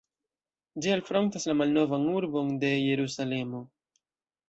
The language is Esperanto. Ĝi alfrontas la Malnovan Urbon de Jerusalemo.